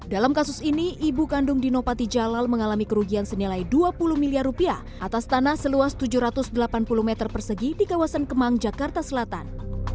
dalam kasus ini ibu kandung dino patijalal mengalami kerugian senilai dua puluh miliar rupiah atas tanah seluas tujuh ratus delapan puluh meter persegi di kawasan kemang jakarta selatan